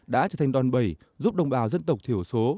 đã trở thành đòn bẩy giúp đồng bào dân tộc thiểu số